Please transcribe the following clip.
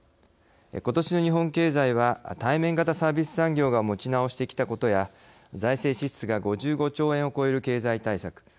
ことしの日本経済は対面型サービス産業が持ち直してきたことや財政支出が５５兆円を超える経済対策。